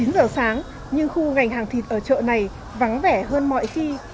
chín giờ sáng nhưng khu ngành hàng thịt ở chợ này vắng vẻ hơn mọi khi